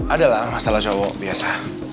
ada lah masalah cowok biasa